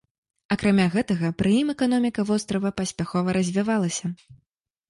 Акрамя гэтага, пры ім эканоміка вострава паспяхова развівалася.